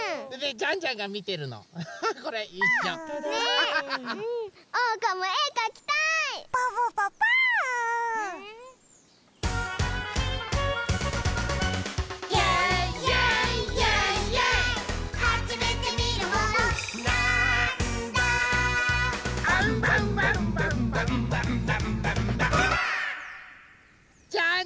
・ジャンジャン